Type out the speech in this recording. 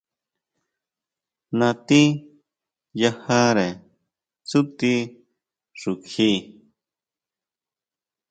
Natí yajare tsutindí xukjí.